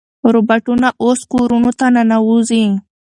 روباټونه اوس کورونو ته ننوځي.